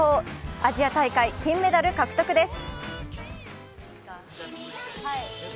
アジア大会金メダル獲得です。